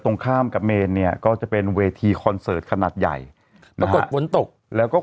ตรงข้ามกับเมนเนี่ยก็จะเป็นเวทีคอนเสิร์ตขนาดใหญ่ปรากฏฝนตกแล้วก็